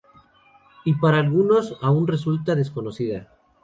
Y para algunos aún resulta desconocida.